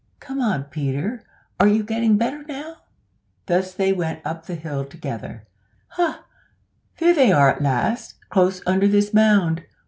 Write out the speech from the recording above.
Come on, Peter, are you getting better now?" Thus they went up the hill together. "Ha! there they are at last, close under this mound.